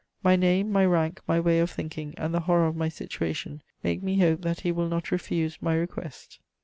My name, my rank, my way of thinking and the horror of my situation make me hope that he will not refuse my request.'"